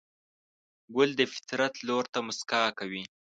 ګل د فطرت لور ته موسکا کوي.